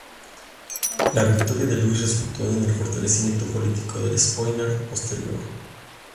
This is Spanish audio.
La victoria de Luis resultó en el fortalecimiento político del Sponheim Posterior.